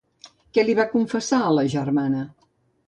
Què li va confessar a la germana?